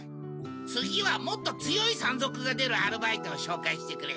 次はもっと強い山賊が出るアルバイトをしょうかいしてくれ。